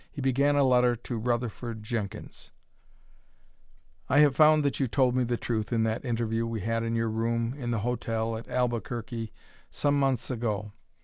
He began a letter to Rutherford Jenkins: "I have found that you told me the truth in that interview we had in your room in the hotel at Albuquerque some months ago.